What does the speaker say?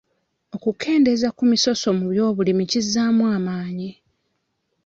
Okukendeeza ku misoso mu by'obulimi kizzaamu amaanyi.